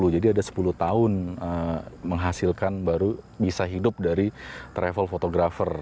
jadi ada sepuluh tahun menghasilkan baru bisa hidup dari travel photographer